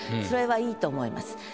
それは良いと思います。